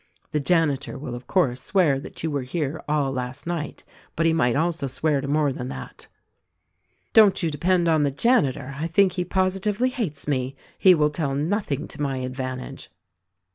The janitor will of course swear that you were here all last^ night ; but he might also swear to more than that." "Don't you depend on the janitor — I think he positively hates me; he will tell nothing to my advantage!"